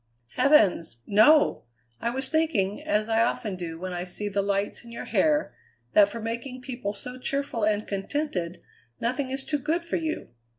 "Heavens! no! I was thinking, as I often do when I see the lights in your hair, that for making people so cheerful and contented nothing is too good for you.